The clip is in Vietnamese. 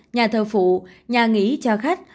nhà thờ phụ nhà nghỉ cho khách